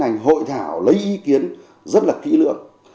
hành hội thảo lấy ý kiến rất là kỹ lưỡng